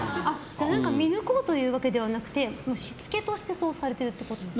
見抜こうというわけではなくてしつけとしてそうされてるってことですか？